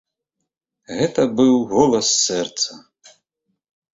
Гэта быў голас сэрца.